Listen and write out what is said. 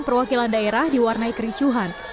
selain daerah diwarnai kericuhan